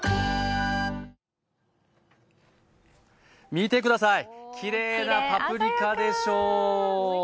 見てください、きれいなパプリカでしょう？